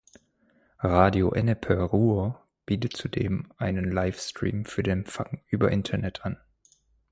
Radio Ennepe Ruhr bietet zudem einen Live-Stream für den Empfang über Internet an.